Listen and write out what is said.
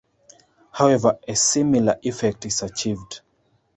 However, a similar effect is achieved.